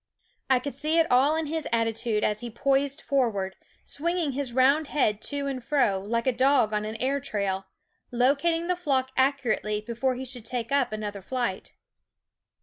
I could see it all in his attitude as he poised forward, swinging his round head to and fro, like a dog on an air trail, locating the flock accurately before he should take another flight.